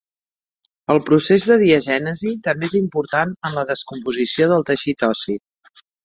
El procés de diagènesi també és important en la descomposició del teixit ossi.